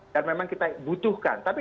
dan memang kita butuhkan tapi